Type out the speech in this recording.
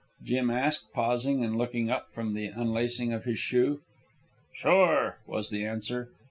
Jim asked, pausing and looking up from the unlacing of his shoe. "Sure," was the answer.